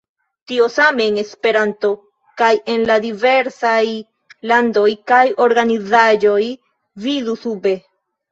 Tio same en Esperanto kaj en la diversaj landoj kaj organizaĵoj, vidu sube.